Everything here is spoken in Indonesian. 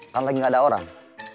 kan lagi gak ada orang